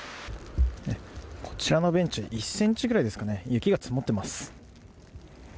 こちらのベンチは１センチくらいですかね、雪が積もってます。